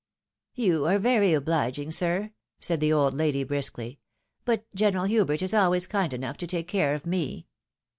" You are very obliging, sir," said the old lady, briskly; " but General Hubert is always kind enough to take care of me."